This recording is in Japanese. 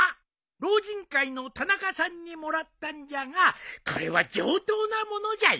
老人会の田中さんにもらったんじゃがこれは上等な物じゃよ。